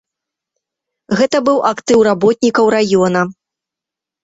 Гэта быў актыў работнікаў раёна.